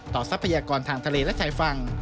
ทรัพยากรทางทะเลและชายฝั่ง